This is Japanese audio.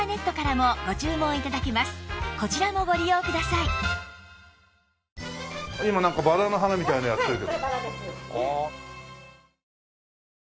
さらに今なんかバラの花みたいなのやってる。